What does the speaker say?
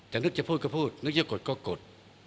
แต่นึกจะพูดก็พูดนึกจะกดก็กด